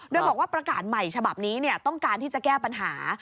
โดยบอกว่าประกาศใหม่ฉบับนี้ต้องการที่จะแก้ปัญหา